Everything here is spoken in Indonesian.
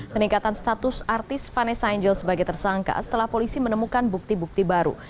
peningkatan status artis vanessa angel sebagai tersangka setelah polisi menemukan bukti bukti baru